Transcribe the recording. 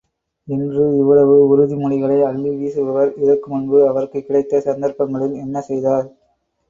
இன்று இவ்வளவு உறுதி மொழிகளை அள்ளி வீசுபவர் இதற்கு முன்பு அவருக்குக் கிடைத்த சந்தர்ப்பங்களில் என்ன செய்தார்?